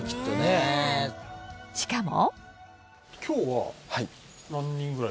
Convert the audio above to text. しかも。